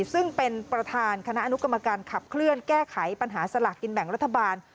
ซึ่งเป็นประธานคณะอนุกรรมการขับเคลื่อนแก้ไขปัญหาสลากกินแบ่งรัฐบาล